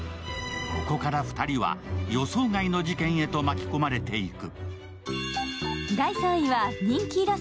ここから２人は予想外の事件へと巻き込まれていく。